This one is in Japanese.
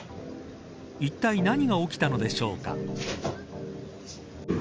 いったい何が起きたのでしょうか。